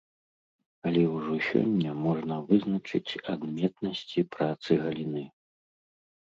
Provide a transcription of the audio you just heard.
Але ўжо сёння можна вызначыць адметнасці працы галіны.